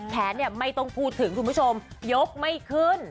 แขนเนี่ยไม่ต้องพูดถึงคุณผู้ชมยกไม่ขึ้น